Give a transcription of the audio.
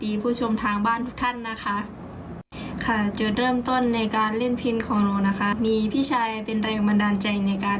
ที่จะมาสนึกสร้างเครื่องดนตรีชิ้นนี้แล้วก็เล่นให้มันมันเป็นวิชาติดตัวเนาะ